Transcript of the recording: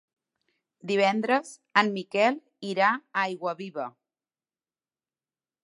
Divendres en Miquel irà a Aiguaviva.